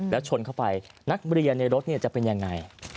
แล้วชนเข้าไปนักเรียนในรถจะเป็นยังไง